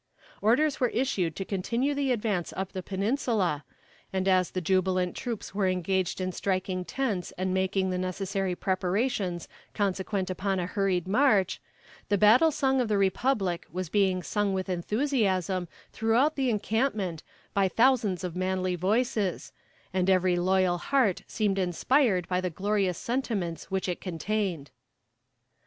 Orders were issued to continue the advance up the Peninsula; and as the jubilant troops were engaged in striking tents and making the necessary preparations consequent upon a hurried march, "The Battle Song of the Republic" was being sung with enthusiasm throughout the encampment by thousands of manly voices, and every loyal heart seemed inspired by the glorious sentiments which it contained.